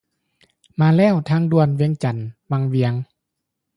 ມາແລ້ວ! ທາງດ່ວນ ວຽງຈັນວັງວຽງ